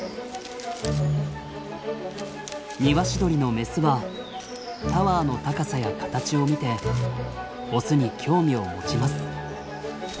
ニワシドリのメスはタワーの高さや形を見てオスに興味を持ちます。